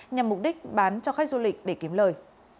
nhằm mục đích bán cho khách du lịch để kiếm lời